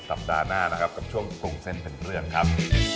สัปดาห์หน้านะครับกับช่วงปรุงเส้นเป็นเรื่องครับ